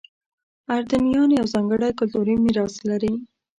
اردنیان یو ځانګړی کلتوري میراث لري.